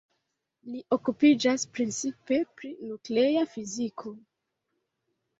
Li okupiĝas precipe pri nuklea fiziko.